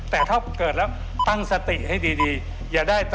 แต่ถ้าเกิดแล้วตั้งสติให้ดีอย่าได้แต่